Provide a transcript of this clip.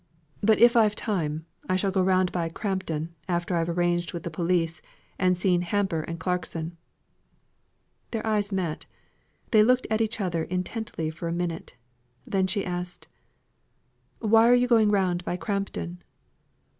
"But if I've time, I shall go round by Crampton, after I've arranged with the police and seen Hamper and Clarkson." Their eyes met; they looked at each other intently for a minute. Then she asked: "Why are you going round by Crampton?"